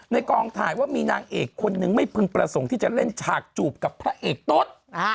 กองถ่ายว่ามีนางเอกคนนึงไม่พึงประสงค์ที่จะเล่นฉากจูบกับพระเอกต้น